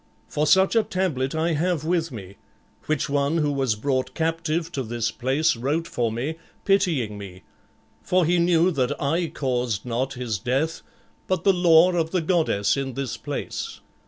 For such a tablet I have with me, which one who was brought captive to this place wrote for me, pitying me, for he knew that I caused not his death, but the law of the goddess in this place.